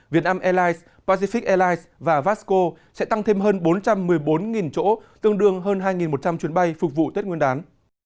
việt nam airlines pacific airlines và vasco sẽ tăng thêm hơn bốn trăm một mươi bốn chỗ tương đương hơn hai một trăm linh chuyến bay phục vụ tết nguyên đán